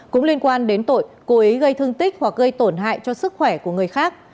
cũng liên quan đến tội cố ý gây thương tích hoặc gây tổn hại cho sức khỏe của người khác